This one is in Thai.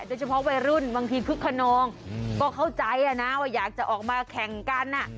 ซึ่งเฉพาะวัยรุ่นบางทีมันเพื่อนน้องก็เข้าใจนะว่าอยากจะออกมาแข่งกัน